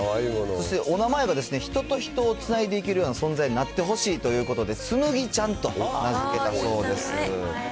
そしてお名前が人を人をつないでいけるような存在になってほしいということで、つむぎちゃんと名付けたそうです。